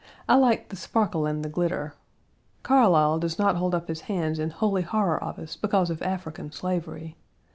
I like the sparkle and the glitter. Carlyle does not hold up his hands in holy horror of us because of African slavery.